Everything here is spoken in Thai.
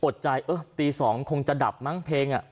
อดใจตี๒คงจะดับมั้งเพลง